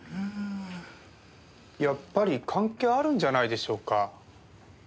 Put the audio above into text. やっぱり関係あるんじゃないでしょうか？